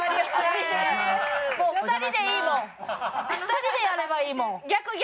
２人でやればいいもん。